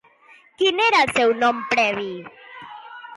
Quin era el seu nom previ?